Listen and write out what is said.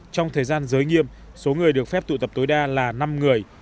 trong thời gian giới nghiêm số người được phép tụ tập tối đa là năm người